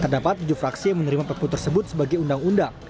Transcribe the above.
terdapat tujuh fraksi yang menerima perpu tersebut sebagai undang undang